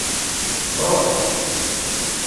Ṛuḥ.